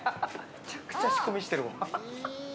めちゃくちゃ仕込みしてるもん。